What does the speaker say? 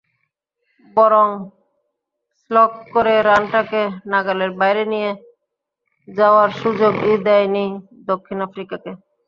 বরং স্লগ করে রানটাকে নাগালের বাইরে নিয়ে যাওয়ার সুযোগই দেয়নি দক্ষিণ আফ্রিকাকে।